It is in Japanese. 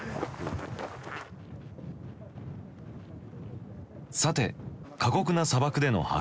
さて過酷な砂漠での発掘調査。